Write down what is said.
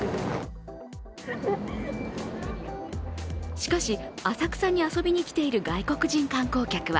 しかし、浅草に遊びに来ている外国人観光客は。